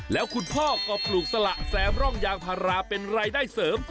แล้วคุณพ่อก็ปลูกสละแซมร่องยางพาราเป็นรายได้เสริม